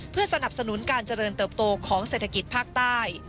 เพื่อสนับสนุนการเจริญเติบโตของเศรษฐกิจภาคใต้